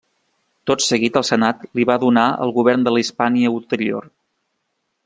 Tot seguit el senat li va donar el govern de la Hispània Ulterior.